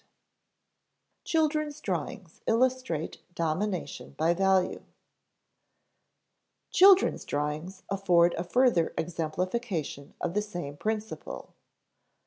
[Sidenote: Children's drawings illustrate domination by value] Children's drawings afford a further exemplification of the same principle.